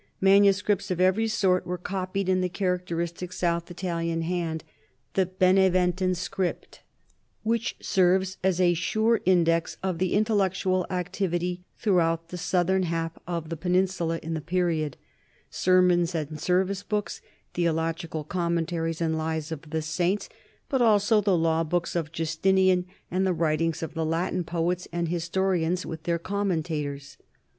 Manuscripts of every sort were copied in the character istic south Italian hand, the Beneventan script, which serves as a sure index of the intellectual activity throughout the southern half of the peninsula in this period sermons and service books, theological com mentaries and lives of the saints, but also the law books of Justinian and the writings of the Latin poets and historians with their commentators.